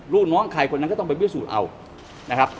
ลูกน้องใครคนนั้นก็ต้องไปพิสูจน์เอานะครับ